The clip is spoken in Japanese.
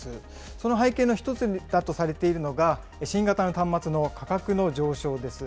その背景の１つだとされているのが、新型の端末の価格の上昇です。